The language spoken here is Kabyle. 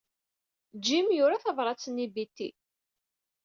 Jim yura tabṛat-nni i Betty.